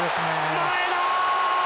前田。